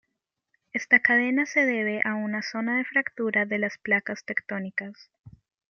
Esta cadena se debe a una zona de fractura de las placas tectónicas.